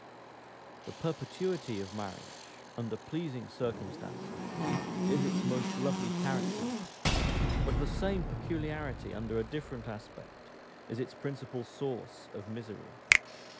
The perpetuity of marriage, under pleasing circumstances, is its most lovely character; but the same peculiarity, under a different aspect, is its principal source of misery.